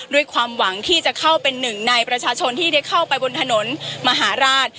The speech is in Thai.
ด้วยความหวังที่จะเข้าเป็นหนึ่งในประชาชนที่ได้เข้าไปบนถนนมหาราช